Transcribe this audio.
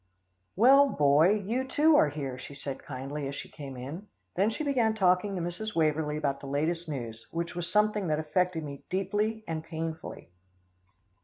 "Well, Boy, you too are here," she said kindly as she came in, then she began talking to Mrs. Waverlee about the latest news, which was something that affected me deeply and painfully.